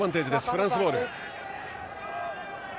フランスボール。